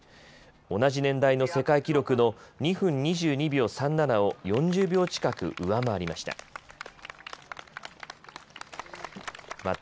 同じ年代の世界記録の２分２２秒３７を４０秒近く上回りました。